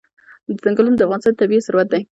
ځنګلونه د افغانستان طبعي ثروت دی.